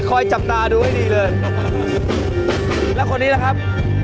คอยดูละครับ